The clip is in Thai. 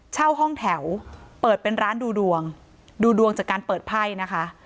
เช่าห้องแถวเปิดเป็นร้านดูดวงดูดวงจากการเปิดไพ่นะคะ